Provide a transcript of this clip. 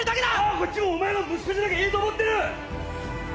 こっちもお前が息子じゃなきゃいいと思ってる！